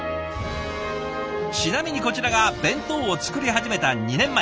ちなみにこちらが弁当を作り始めた２年前。